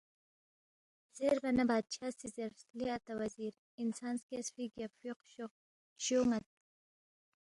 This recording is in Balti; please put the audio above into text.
زیربا نہ بادشاہ سی زیرس، لے اتا وزیر انسان سکیسفی گیب فیوخ شیو کھوانگ ن٘تی کھہ کلے یود ینگ